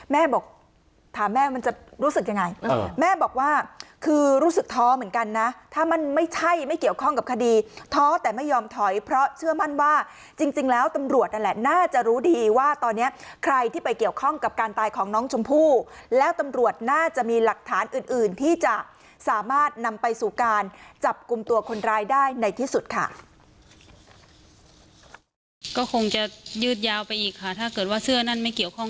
แม่บอกถามแม่มันจะรู้สึกยังไงแม่บอกว่าคือรู้สึกท้อเหมือนกันนะถ้ามันไม่ใช่ไม่เกี่ยวข้องกับคดีท้อแต่ไม่ยอมถอยเพราะเชื่อมั่นว่าจริงแล้วตำรวจนั่นแหละน่าจะรู้ดีว่าตอนนี้ใครที่ไปเกี่ยวข้องกับการตายของน้องชมพู่แล้วตำรวจน่าจะมีหลักฐานอื่นอื่นที่จะสามารถนำไปสู่การจับกลุ่มตัวคนร้ายได้ในที่สุดค่ะ